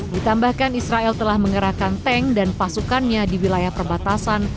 ditambahkan israel telah mengerahkan tank dan pasukannya di wilayah perbatasan